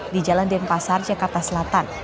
di jalan denpasar jakarta selatan